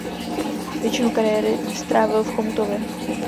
Většinu kariéry strávil v Chomutově.